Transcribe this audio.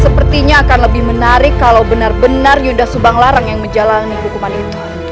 sepertinya akan lebih menarik kalau benar benar yuda subang larang yang menjalani hukuman itu